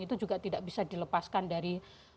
itu juga tidak bisa dilepaskan dari